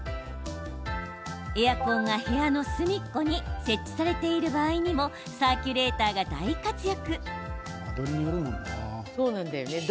エアコンが部屋の端っこに設置されている場合にもサーキュレーターが大活躍。